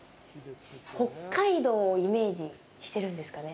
北海道をイメージしてるんですかね。